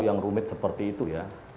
yang rumit seperti itu ya